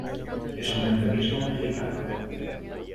Es un endemismo mexicano.